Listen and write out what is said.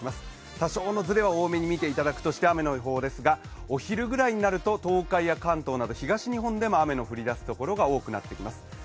多少のずれは大目に見ていただくとして雨の予報ですがお昼ぐらいになると東海や関東など、東日本でも雨の降りだすところが多くなってきます。